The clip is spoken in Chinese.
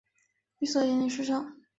绿色引领时尚。